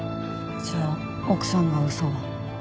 じゃあ奥さんが嘘を？